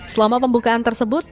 selama pembukaan tersebut